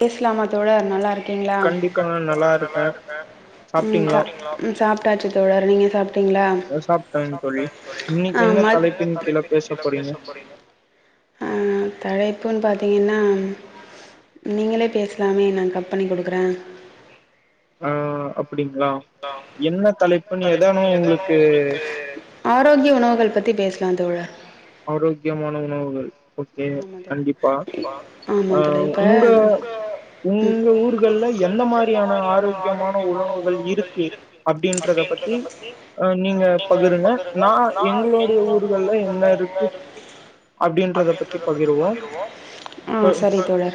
பேசலாமா தோழர் நல்லா இருக்கீங்களா? ம் சா ம் சாப்ட்டாச்சு தோழர் நீங்க சாப்டீங்ளா? ஆ ம ஆ தலைப் புன்னு பாத்தீங்கன்னா நீங்களே பேசலாமே நா கம்பனி குடுக்கறே. ஆ அப் ஆரோக்கிய உணவுகள் பத் தி பேசலா தோழா. ஆரோக்கியமான உணவுகள் ஓகே கண்டிப்பா. ஆ உங்க உங்க ஊர்கள்ல எந்த மாரியான ஆரோக்கியமான உணவுகள் இருக்கு அப்டின்றத பத்தி ஆ நீங்க பகிருங்க நா எங்களுடைய ஊர்கள்ல என்ன இருக் கு ஆ அப்டின்றத சரி தோழா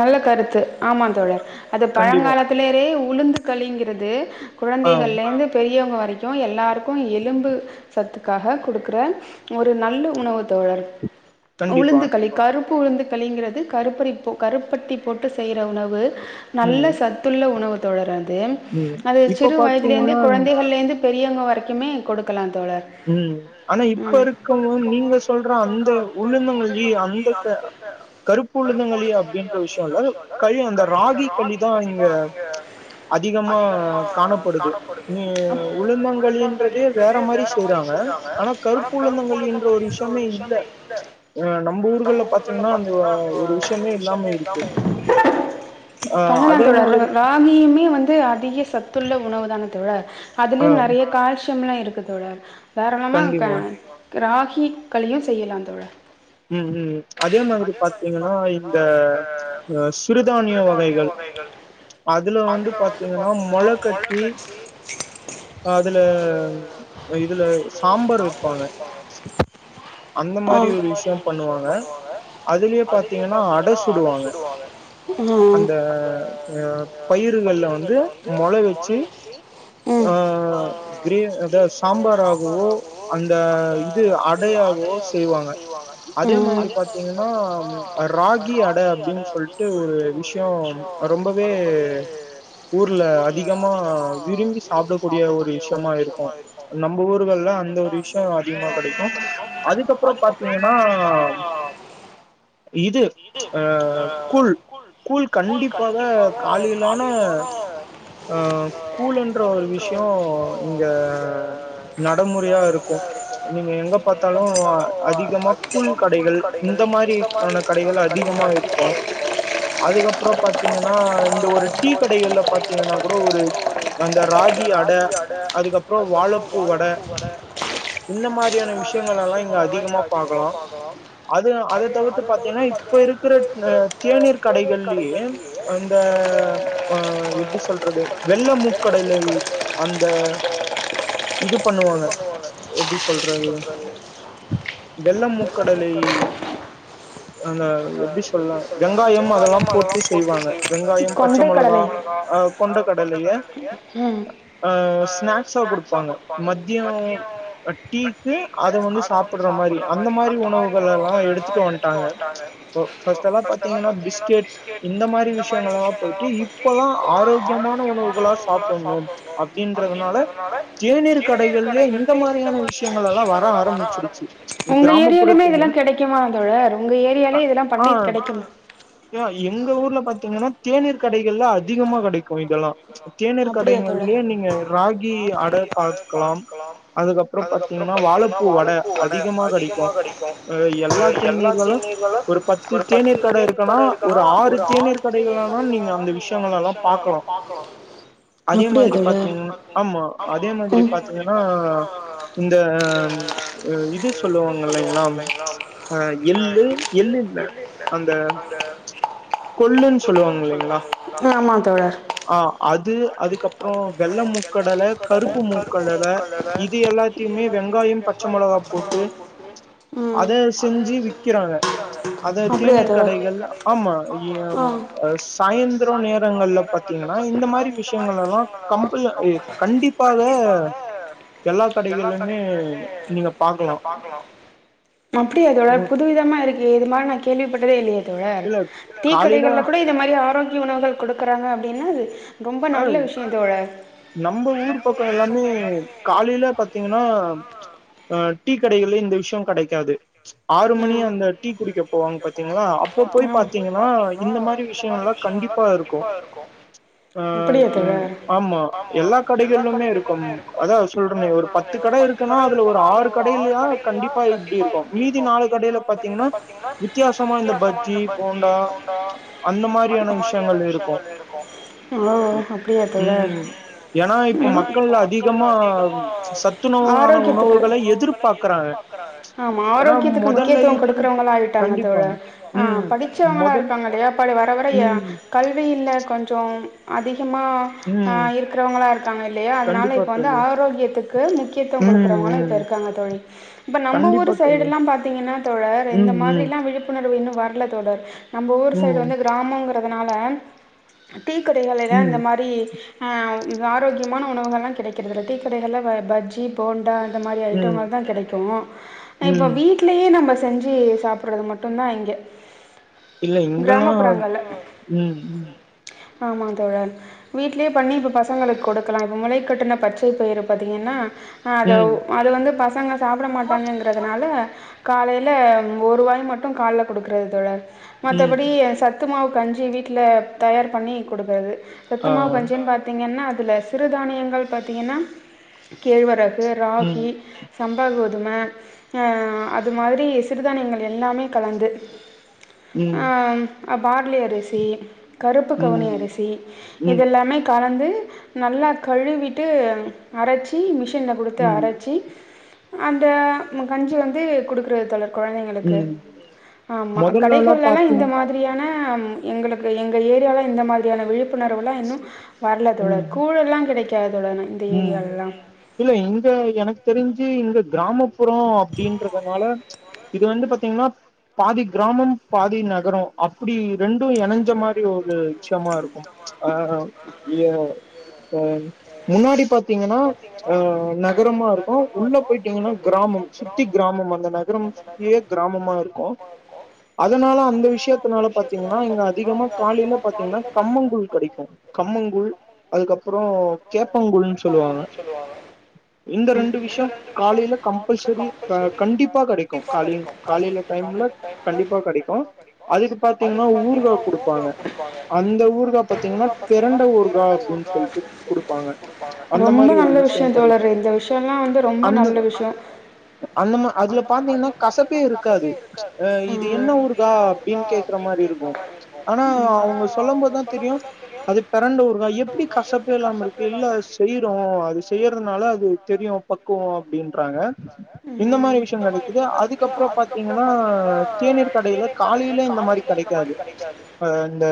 நல்ல கருத்து ஆமாங் தோழர் அது பழங்காலத்திலேரே உளுந்து களிங்கிறது து குழந்தைகள்ல இருந்து பெரி பெரியவங்க வரைக்கு எல்லாருக்கு எலும்பு சத்துக்காக குடுக்குற ஒரு நல்ல உணவு தோழர். கண்டிப்பா கருப்பு உளுந்து களிங்கிறது கருப்பறி போ கருப்பட்டி போட்டு செய்யற உணவு நல்ல சத்துள்ள உணவு தோழர் அ து அது சிறு வயதில இருந்தே குழந்தைகள்ல இருந்து பெரியவங்க வரை க்குமே கொடுக்கலாந் ம் ஆனா இப்ப இருக்கவங்க வந் நீங்க சொல்ற அந்த உளுந்தங் களி அந் அப் செய்றாங்க ஆனா கருப்பு உளுந்தங்களின்ற ஒரு விஷயமே இல்ல ஏன்னா ந ம் பண்ணலாந் தோழா ரா ராகியுமே வந்து அதிக சத் துள்ள உணவுதான தோழா அதுலயும் நெறைய கால்சி யம்லா இருக்கு தோழா வேற என்னம்மா இருக்கே ராகி கலியும் செய்யலாம் தோழர் உம் உம் அதே மாதிரி பாத்தீங்கன்னா இந்த சிறுதானிய வகைகள் அதுல வந்து பாத்தீங்கன்னா முளைகட்டி அதுல இதுல சாம்பார் வைப்பாங்க அந்த மாதிரி ஒரு விஷயம் பண்ணுவாங்க அதுலயே பார்த்தீங்கன்னா அடை சுடுவாங்க அந்த பயிறுங்கள வந்து மொளை வச்சு அத சாம்பாராகவும் அந்த இது அடையாகவோ செய்வாங்க அதே மாதிரி பாத்தீங்கன்னா ராகி அடை அப்படின்னு சொல்லிட்டு ஒரு விஷயம் ரொம்பவே ஊர்ல அதிகமா விரும்பி சாப்பிடக்கூடிய ஒரு விஷயமா இருக்கும் நம்ம ஊர்கள்ல அந்த ஒரு விஷயம் அதிகமா கிடைக்கும் அதுக்கப்புறம் பார்த்தீங்கன்னா இது ஆஹ் கூழ் கூழ் கண்டிப்பாக காலையில ஆனா அஹ் கூழ்ன்ற ஒரு விஷயம் இங்க நடைமுறையா இருக்கும் நீங்க எங்க பார்த்தாலும் அதிகமா கூழ் கடைகள் இந்த மாதிரி கடைகள் அதிகமா இருக்கும் அதுக்கப்புறம் பாத்தீங்கன்னா இந்த ஒரு டீ கடைகள்ல பாத்தீங்கன்னா கூட ஒரு அந்த ராகி அடை அதுக்கப்புறம் வாழைப்பூ வடை இந்த மாதிரியான விஷயங்கள் எல்லாம் இங்க அதிகமா பார்க்கலாம் அது அது தவிர்த்து பாத்தீங்கன்னா இப்ப இருக்கிற தேநீர் கடைகள் சொல்றது வெங்கம்ப கடைகள் அந்த இது பண்ணுவங்க எப்படி சொல்றது கடலை அந்த எப்படி சொல்ல வெங்காயம் அதெல்லாம் போட்டு செய்வாங்க வெங்காயம் பச்சை மிளகாய் கொண்ட கடலைய அஹ ஸ்நாக்ஸா கொடுப்பாங்க மதியம் டீக்கு அது வந்து சாப்பிடுற மாதிரி அந்த மாதிரி உணவுகளலாம் எடுத்துட்டு வந்துட்டாங்க ஃபர்ஸ்ட் எல்லாம் பார்த்தீங்கன்னா பிஸ்கட் இந்தி மாதிரி விஷயங்கள் எல்லாம் போயிட்டு இப்போதான் ஆரோக்கியமான உணவுகள் சாப்பிடணும் அப்படின்னு தேநீர் கடைகள் இந்த மாதிரியான விஷயங்கள் எல்லாம் வர ஆரம்பிச்சிருச்சு கிராமப்புற கிடைக்குமா தோழர் உங்க ஏரியாலையே இதெல்லாம் பன்னீர் கிடைக்குமா கிடைக்கலன்னா அதிகமா கிடைக்கும் இதெல்லாம் தேநீர் கடைங்களிலேயே நீங்க ராகி அடை பார்க்கலாம் அதுக்கப்புறம் பாத்தீங்கன்னா வாழைப்பூ வடை அதிகமா கிடைக்கும் ஒரு எல்லா தேநீர்களும் ஒரு பத்து தேநீர் கடை இருக்குன்னா ஒரு ஆறு தேநீர் கடைகள் தான் நீங்க அந்த விஷயங்களை எல்லாம் பாக்கலாம் அதே மாதிரி பாத்தீங்க ஆமா அதே மாதிரி பாத்தீங்கன்னா இந்த இது சொல்லுவாங்கல்லலைங்களா எள்ளு எள்ளு இல்ல அந்த கொள்ளுன்னு சொல்லுவாங்க இல்லைங்களா ஆஹ் அது ஆமா தோழர் அது அதுக்கப்புறம் வெள்ள மூக்கடலை கருப்பு மூக்கடலை இது எல்லாத்தையுமே வெங்காயம் பச்சை மிளக போட்டு அத செஞ்சு விற்கிறாங்க அத தேநீர் கடைகள் ஆமா சாயந்திரம் நேரங்கள்ல பாத்தீங்கன்னா இந்த மாதிரி இந்த விஷயம் மாதிரி விஷயங்கள எல்லாம் கம்பல்சரி கண்டிப்பாக எல்லா கடைகளிலமே நீங்க பாக்கலாம் அப்படி அதோட புதுவிதமா இருக்கு ஏது மாரி நான் கேள்விப்பட் டதே இல்லயேதோழர் டீக்கடைகளில் கூட இது மாரி ஆரோக் உணவுகள் கொடுக்குறாங்க அப்படின்னா அது அஹ் நம்ம ஊர் பக்கம் எல்லாமே காலையில பாத்தீங்கன்னா அஹ் டீ கடைகளையும் விஷயம் கெடைக்காது ஆறு மணி அந்த டீ குடிக்க போவாங்க பாத்தீங்களா அப்ப போய் பாத்தீங்கன்னா இந்த மாதிரி விஷயங்கள் எல்லாம் கண்டிப்பா இருக்கும் ஆ இ ஆமா எல்லா கடைகளுமே இருக்கு அத சொல்றேனே ஒரு பத்து கடை இருக்குன்னா அதுல ஒரு ஆறு கடை கண்டிப்பா இப்படி இருக்கு மீதி நாலு மீதி நாலு கடையில பாத்தீங்கன்னா வித்தியாசமா இந்த பஜ்ஜி போண்டா அந்த மாதிரியான விஷயங்கள் இருக்கு உ அப்டிருக்குல ஆரோக்கியதுக்கு ஆரோக்கியதுக்கு முக்கியத்துவோ குடுக்கறவங்களாக ஆயிட்டாங்க தோழா ஆ படிச்சவங்களா இருக்காங்கள்ளயா அப்பாடி வர வர கல்வி இல்ல கொஞ்சோ அதிக் கமா ஆ இருக்கிறவங்களா இருக்காங்க இல்லையா அதனால இப்ப வந்து ஆரோக்கியத்துக்கு முக்கியத்துவோ குடுக்கறவங்கள இப்ப இருக்காங்க தோழி இப்ப நம்ம ஊர் சைடுலா பாத் தா தோழர் இந்த மாரிலா விழிப்புணர்வு இன்னு வரல தோழர் நம்ம ஊர் சைடு வந்து கிராமங்ற துனால டீக்கடைகலலா இந்த மாரி ஆ இது ஆரோக்கியமான உணவுகள்லா கிடைக்கிறதில்ல டீக்கடைகள்ல வ பஜ்ஜி போண்டா இந்த மாரி ஐட்டங்கள் தா கெடைக்கு இப்ப வீட்ல நம்ம செஞ்சு சாப்பிட்றது மட்டுந்தா இங்க இல்ல இங்கெல்லா உ உ ஆமா தோழன் வீட்லே பண்ணி இப்போ பசங்களுக்கு கொடுக்கலா இப்போ முளைக்கட்டுன பச்சை பயிர் பாத்திங்கன்னா அ அத அது வந்து பசங் சங்க சாப்பிட மாட்டாங்கங்றதுனால காலேல ஒருவாய் மட்டு காலேல கொடுக்குறது தோழர் மத்தபடி சத்து மாவு கஞ்சி வீட்ல தயார் பண்ணி குடுக்கறது சத்துமாவு கஞ்சி பாத்தீங்கன்னா அது துல சிறுதானியங்கள் பாத்தீங்கன்னா கேழ்வர இ ராகி சம்பா கோதும அ அது மாதிரி சிறுதானியங்கள் எல்லாமே கலந்து ஆ அப் பார்லி அரிசி கருப்பு கவுனி அரிசி இதெல்லாமே கலந்து நல்லா கழுவிட்டு அரைச்சி மிஷ் மிஷின் குடுத்து அரச்சி அந்த கஞ்சி வந்து குடுக்கற தோழர் குழந்தைங்களுக்கு ஆமா கடைகளல்லா இந்த மாதிரியன எங்களுக் எங்க எங்க ஏரியாவால இந்த மாதிரியான விழிப் ப்புணர்வுலா இன்னு வரல தோழர் கூழயேல்லா கிடைக்காது ம் இல்ல இங்க எனக்கு தெரிஞ் ங்க கிராமப் ப்ரோ அப்பிடின்றதனால இது வந்து பாத்தீங்கன்னா பாதி கிராமம் பாதி நகரம் அப்பிடி ரெண்டும் எனஞ்ச மாரி ஒரு விஷயமா இருக்கும் [unintelligible] உம் முன்னாடி பாத் த்தீங்கன்னா அ நகரமா இருக்கோ உள்ள போயிட்டீங்கன்னா கிராமம் சுத்தி கிராமமா அந்த நகரம் சுத்தியே கிராமமா இருக்கோ அதனால அந்த விஷயத்தனால பாத்தீங்கன்னா இங்க அதிகமா காலையில பாத்தீங்கன்னா கம்மங்கூழ் கெடைக்கோ கம்மங்கூழ் அதுக்கபரோ ஒரு நிமிஷ சொல்லுவாங்க இந்த ரெண்டு விஷயம் காலையில கம்பல்சரி க கண்டிப்பா கெடைக்கும் காலி காலையில டைம்ல கண்டிப்பா கெடைக்கும் அதுக்கு பாத்திங்கன்னா ஊர்கா கொடுப்பாங்க அந்த ஊர்கா பாத்திங்கன்னா பெரண்ட ஊர்கா அப்பிடின்னு சொல்ட்டு குடுப்பாங்க ப்பிடி ஒரு விஷயம் கெடைக்கோ அந்த அந்த மா அதுல பாத்திங்கனா கசப்பே இருக்காது அ இது என்ன ஊருகா அப்பிடின்னு கேக்குற மாரி இருக்கு ஆனா அவங்க சொல்லும்போதுதா தெரியும் அது பெரண்ட ஊருா எப்பிடி கசப்பு இல்லம இருக்கு இல்ல செய்கிறோ செய்யறதுனால அது தெரியோ பக்குவோ அப்படின்றாங்க இந்த மாரி விஷயம் கெடைக்குது அதுக்கப்புறோ பாத்திங்கனா தேநீர் கடையில காலையில இந்த மாரி கெடைக்காது அ இந்த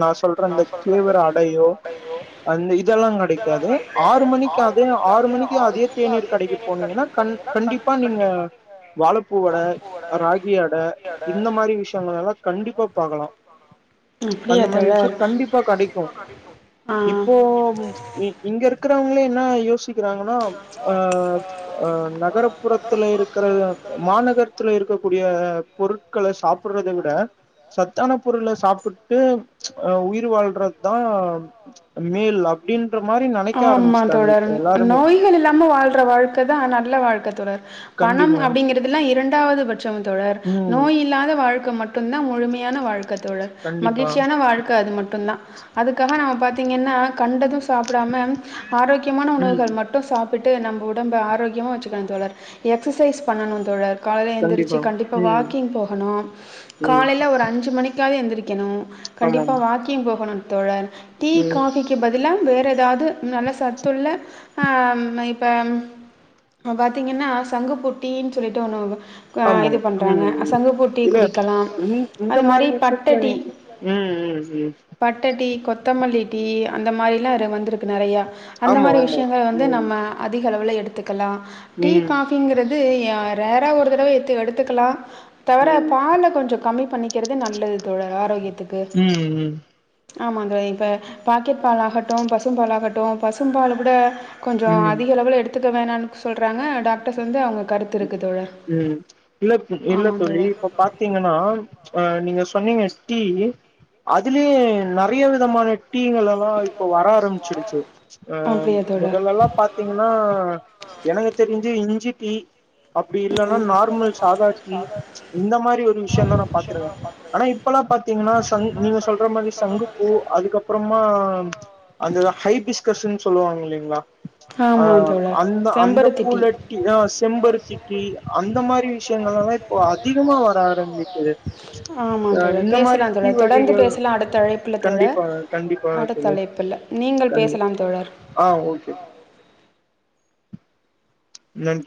நா சொல்றே இந்த கேவர அடையோ அந்த இதெல்லா கெடைக்காது ஆறு மணிக்கு அதே ஆறு மணிக்கு அதே தேநீர் கடைக்கு போனீங்கன்னா கண்டிப்பா நீங்க வாழைப்பூவட ராகிஆட இந்த மாரி விஷயங்கள்ல்லா கண்டிப்பா பாக்கலா அந்த மாரி விஷயம் கண்டிப்பா கெடைக்குப் ப்போ இங்க இருக் த்தவங்களு என்ன யோசிக் க்ராங்கனா அ அ நகர்புறதில இருகற மாநகரதில இருககூடிய பொருகள சாப் புறத விட சத்தான பொருள சாப்புட்டு உயிர் வாழ்றதா ஆமா தோழர் நோய்கள் இல்லாம வாழ்ற வாழ்க்க தா நல்ல வாழ்க்க தோழர் பணம் அப்டிங்குறதுலா இரண் ரெண்டாவது பச் சம் தோழர் நோய் இல்லாத வாழ் [unintelligible] இருக்கனுனா முழுமையான வாழ்க்க தோழர் மகிழ்சியான வாழ்க்க அது மட்டு தா அதுக்காக நாம பாத்த பாத்தீங்கனா கண்டது சாப்டாம ஆரோகியமான உணவுகள் மட்டு சாப்பிட விட்டு நம்ப உடம்ப ஆரோகியமா வச்சுகணு தோழர் எக்சசைஸ் பண்ணணு தோழர் காலேல எந்துருச்சு கண்டிபா வாக்கிங் போகணு காலேல ஒரு அஞ்சு மணிக்கு விடிகால எந்திரிகணு கண்டிபா வாக்கிங் போகணு தோழர் டீ காபிக்கு பதில் இதெலாம் வேற ஏதாது நல்ல சத்துள்ள ஆ இப்ப பாதீங்கனா சங்குபூ டீனு சொல்லிட்டு ஒன்னு வரும் இது பண்றாங்க சங்குபூ டீ குடிக் உ இந்த மாரி விஷயத்ல நீ ம்-ம்-ம் கொத்தமல்லி டீ அந்த மாரிலா வந்திருக்கு நெறயா அந்த மாரி விஷயங்கள் வந்து நம்ம அதிக அளவில எடுத்து லாம் டீ காபிங்கிறது இது ஏ ரேரா ஒரு தடவ எடுத்து எடுத்துகலா உ பால கொஞ்சோ கம்மி பண்ணிகிறது நல்லது தோழர் ஆரோகியத் ம்-ம் ஆமாங்க இப்ப பாக்கெட் பால் ஆகட்டு பசும் பால் ஆகட்டு பசும் பால விட கொஞ்சோ அதிக அளவுல எடுத் த்துக்க வேணான்னு சொல்றாங்க டாக்டர்ஸ் வந்து அவங்க உ உ இல்ல இல்ல தோழி இப்ப பா தீங்கன்னா அ நீங்க சொன்னீங்க ஸ்டீ அதுலயே நெறைய விதமான டீங்களெல்லா இப்ப வர ஆரம்பிச்சிரு செரி அ மொதல்லலா பாத்தீங்கன்னா எனக்கு தெரிஞ்சு இஞ்சி தீ அப்டி இல்லன்னா நார்மல் சாதா டீ இந்த மாரி ஒரு விஷயந்தா நா பாத்துருக்கே ஆனா இப்பல்லா பாத்தீங்கன்னா சங்கு நீங்க சொல்ற மாரி சங்குப்பூ அதுக்கப்புறமா அந்த ஹைபிஸ்கஷனு சொல்லுவாங்க இல்லேங்களா அ அந்த அந்த பூல டீ அ செம்பருத் திக்கி அந்த மாரி விஷயங்களலா இப்போ அதிகமா வர ஆரம்பிக்குது இந்த மாரி டீ வகைகள் கண்டிப்பா கண்டிப்பா தோழி கன்டிப் ஆ ஓகே நன்